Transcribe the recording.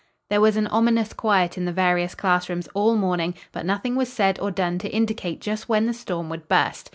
There was an ominous quiet in the various class rooms all morning; but nothing was said or done to indicate just when the storm would burst.